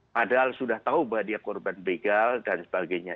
padahal sudah tahu bahwa dia korban begal dan sebagainya